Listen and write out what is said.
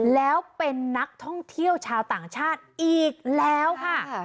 แล้วเป็นนักท่องเที่ยวชาวต่างชาติอีกแล้วค่ะ